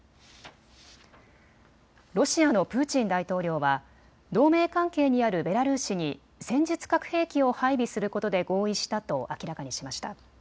ロシアのプーチン大統領は同盟関係にあるベラルーシに戦術核兵器を配備することで合意したと明らかにしました。